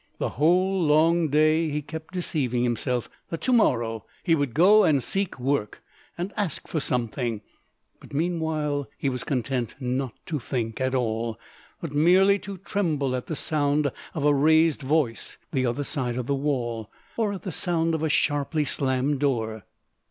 The whole long day he kept deceiving himself, that to morrow he would go and seek work, and ask for something; but meanwhile he was content not to think at all, but merely to tremble at the sound of a raised voice the other side of the wall, or at the sound of a sharply slammed door.